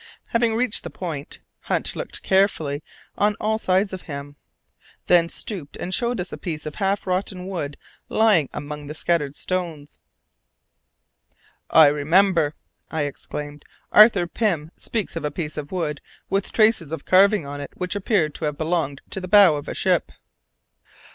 Having reached the point, Hunt looked carefully on all sides of him, then stooped and showed us a piece of half rotten wood lying among the scattered stones. "I remember!" I exclaimed; "Arthur Pym speaks of a piece of wood with traces of carving on it which appeared to have belonged to the bow of a ship."